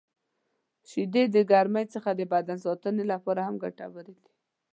• شیدې د ګرمۍ څخه د بدن ساتنې لپاره هم ګټورې دي.